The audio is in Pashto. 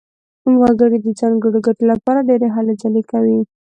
وګړي د ځانګړو ګټو لپاره ډېرې هلې ځلې کوي.